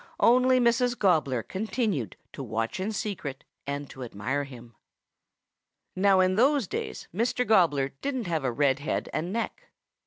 Only Mrs. Gobbler continued to watch in secret and to admire him. "Now in those days Mr. Gobbler didn't have a red head and neck.